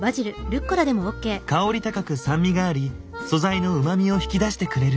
香り高く酸味があり素材のうまみを引き出してくれる。